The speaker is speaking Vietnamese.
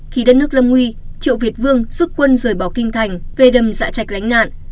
khi đất nước lâm nguy triệu việt vương rút quân rời bỏ kinh thành về đầm dạ trạch lánh nạn